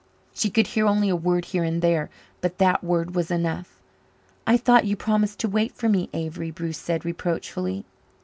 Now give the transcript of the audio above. She could hear only a word here and there, but that word was enough. "I thought you promised to wait for me, Avery," Bruce said reproachfully.